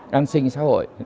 đang sinh xã hội